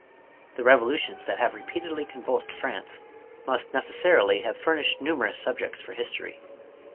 The revolutions that have repeatedly convulsed France must necessarily have furnished nu merous subjects for history.